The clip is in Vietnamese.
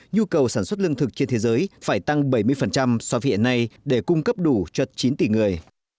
nhu cầu sản xuất lương thực trên thế giới phải tăng bảy mươi so với hiện nay để cung cấp đủ cho chín tỷ người